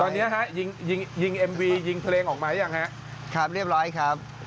ตอนนี้ฮะยิงยิงเอ็มวียิงเพลงออกมายังฮะครับเรียบร้อยครับ